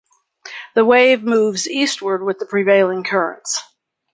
The wave moves eastward with the prevailing currents.